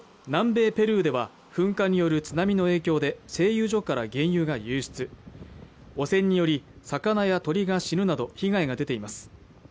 南米ペルーでは噴火による津波の影響で製油所から原油が流出汚染により魚や鳥が死ぬなど被害が出ています